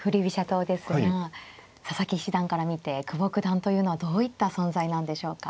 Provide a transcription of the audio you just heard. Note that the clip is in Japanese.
党ですが佐々木七段から見て久保九段というのはどういった存在なんでしょうか。